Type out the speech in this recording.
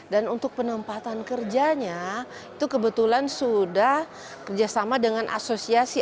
dan untuk penempatan kerjanya itu kebetulan sudah kerjasama dengan asosiasi